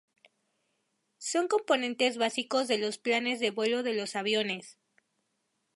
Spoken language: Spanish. Son componentes básicos de los planes de vuelo de los aviones.